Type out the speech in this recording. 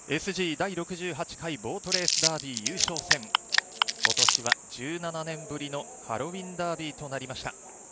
第６８回ボートレースダービー優勝戦今年は１７年ぶりのハロウィーンダービーとなりました。